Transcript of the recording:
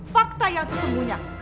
fakta yang kesungguhnya